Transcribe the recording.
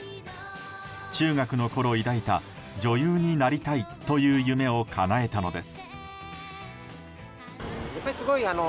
中学のころ抱いた女優になりたいという夢をかなえたのです。